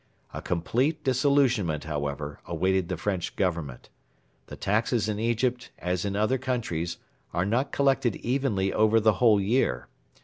A complete disillusionment, however, awaited the French Government. The taxes in Egypt, as in other countries, are not collected evenly over the whole year.